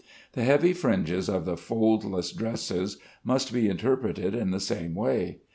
The heavy fringes of the foldless dresses must be interpreted in the same way.